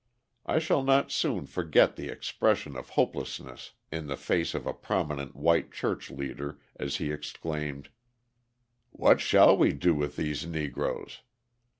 I shall not soon forget the expression of hopelessness in the face of a prominent white church leader as he exclaimed: "What shall we do with these Negroes!